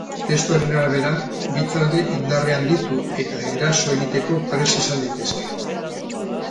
Testuaren arabera, bi talde indarrean ditu eta eraso egiteko prest izan daitezke.